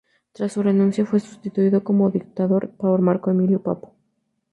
Tras su renuncia, fue sustituido como dictador por Marco Emilio Papo.